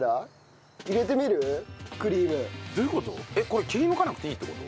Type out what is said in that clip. これ切り抜かなくていいって事？